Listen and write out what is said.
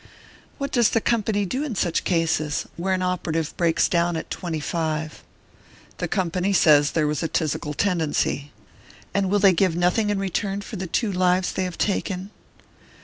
"What does the company do in such cases? Where an operative breaks down at twenty five?" "The company says there was a phthisical tendency." "And will they give nothing in return for the two lives they have taken?"